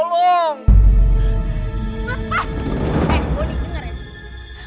eh bonny denger ya